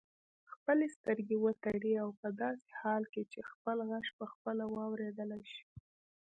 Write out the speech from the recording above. خپلې سترګې وتړئ او په داسې حال کې چې خپل غږ پخپله واورېدلای شئ.